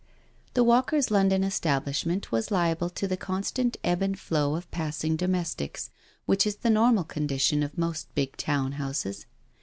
The Walker's London establishment was liable to the constant ebb and flow of passing domestics, which is the normal condition of most big Town houses.